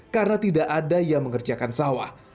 karena tidak ada yang mengerjakan sawan